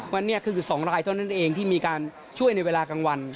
วันนี้คือ๒รายเท่านั้นเองที่มีการช่วยในเวลากลางวัน